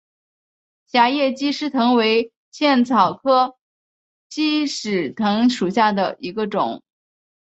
狭叶鸡矢藤为茜草科鸡矢藤属下的一个种。